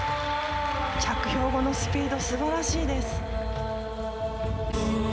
着氷後のスピードすばらしいです。